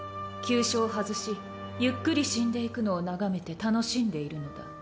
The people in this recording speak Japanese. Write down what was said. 急所を外しゆっくり死んでいくのを眺めて楽しんでいるのだ。